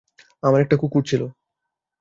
আমার একটা কুকুর ছিল।